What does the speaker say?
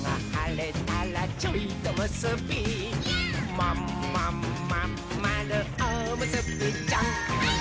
「まんまんまんまるおむすびちゃん」はいっ！